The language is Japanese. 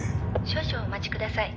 「少々お待ちください」